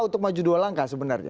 untuk maju dua langkah sebenarnya